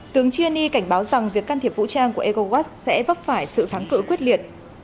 tướng chiani cảnh báo rằng việc can thiệp vũ trang của egowas sẽ vấp phải sự thắng cử quyết liệt